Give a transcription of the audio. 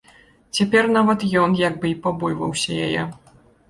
Цяпер нават ён як бы і пабойваўся яе.